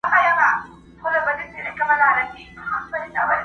ځناورو هري خوا ته كړلې منډي!!